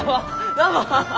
どうも！